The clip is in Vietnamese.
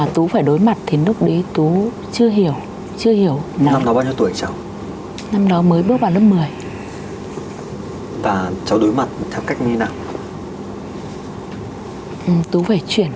tú phải chuyển lớp